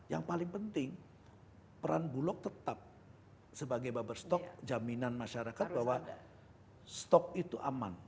yang paling penting peran bulog tetap sebagai baperstok jaminan masyarakat bahwa stok itu aman